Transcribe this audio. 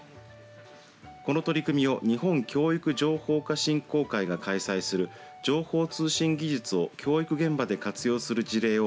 この取り組みを日本教育情報化振興会が開催する情報通信技術を教育現場で活用する事例を